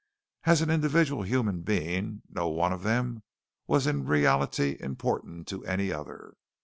As an individual human being no one of them was in reality important to any other.